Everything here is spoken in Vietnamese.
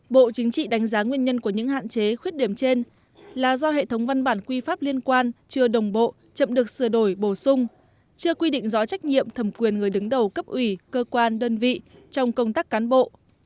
bộ chính trị đánh giá nguyên nhân của những hạn chế khuyết điểm trên là do hệ thống văn bản quy pháp liên quan chưa đồng bộ chậm được sửa đổi bổ sung chưa quy định rõ trách nhiệm thẩm quyền người đứng đầu cấp ủy cơ quan đơn vị trong công tác cán bộ